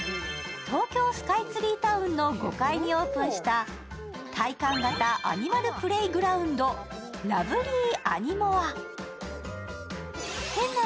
東京スカイツリータウンの５階にオープンした体感型アニマルプレイグラウンド、らぶりー・